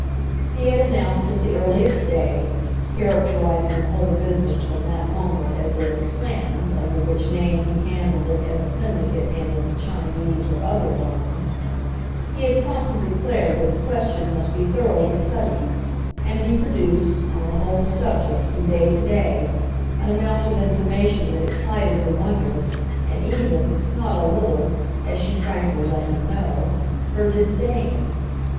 He had announced at the earliest day—characterising the whole business, from that moment, as their "plans," under which name he handled it as a Syndicate handles a Chinese or other Loan—he had promptly declared that the question must be thoroughly studied, and he produced, on the whole subject, from day to day, an amount of information that excited her wonder and even, not a little, as she frankly let him know, her disdain.